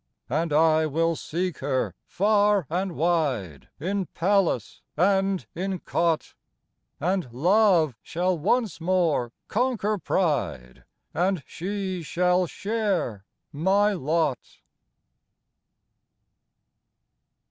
And I will seek her far and wide, In palace and in cot, And love shall once more conquer pride, And she shall share my lot.